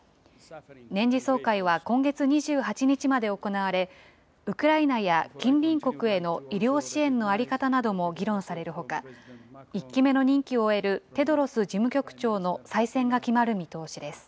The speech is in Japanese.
年次総会は今月２８日まで行われ、ウクライナや近隣国への医療支援の在り方なども議論されるほか、１期目の任期を終えるテドロス事務局長の再選が決まる見通しです。